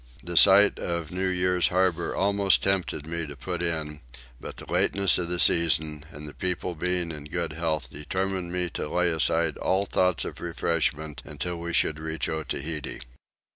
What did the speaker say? The sight of New Year's Harbour almost tempted me to put in; but the lateness of the season and the people being in good health determined me to lay aside all thoughts of refreshment until we should reach Otaheite.